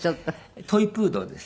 トイプードルです。